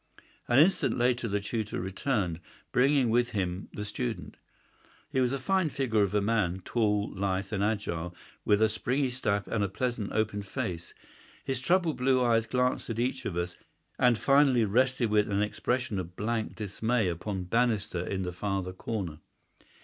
An instant later the tutor returned, bringing with him the student. He was a fine figure of a man, tall, lithe, and agile, with a springy step and a pleasant, open face. His troubled blue eyes glanced at each of us, and finally rested with an expression of blank dismay upon Bannister in the farther corner.